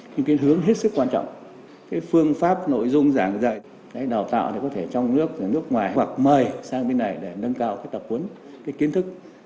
nhưng cái hướng hết sức quan trọng cái phương pháp nội dung giảng dạy đào tạo thì có thể trong nước nước ngoài hoặc mời sang bên này để nâng cao cái tập huấn cái kiến thức